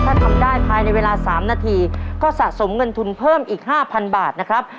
ถ้าทำได้ภายในเวลา๓นาทีก็สะสมเงินทุนเพิ่มอีก๕๐๐บาทนะครับ